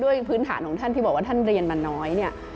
ด้วยพื้นฐานของท่านที่บอกว่าท่านเรียนมาน้อย